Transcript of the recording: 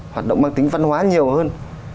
hoạt động mang tính văn hóa nhiều hơn